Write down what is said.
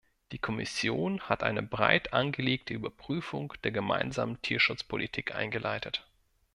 Die Kommission hat eine breit angelegte Überprüfung der gemeinsamen Tierschutzpolitik eingeleitet.